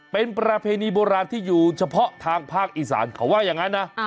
เป็นประเพณีโบราณที่อยู่เฉพาะทางภาคอีสานเขาว่าอย่างนั้นนะ